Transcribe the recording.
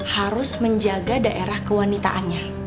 harus menjaga daerah kewanitaannya